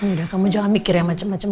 udah kamu jangan mikir yang macem macem